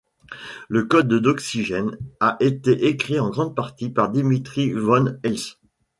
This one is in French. Le code de Doxygen a été écrit en grande partie par Dimitri van Heesch.